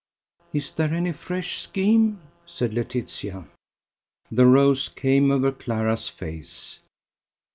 "Is there any fresh scheme?" said Laetitia. The rose came over Clara's face.